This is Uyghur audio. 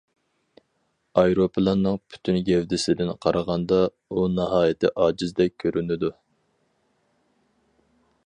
ئايروپىلاننىڭ پۈتۈن گەۋدىسىدىن قارىغاندا، ئۇ ناھايىتى ئاجىزدەك كۆرۈنىدۇ.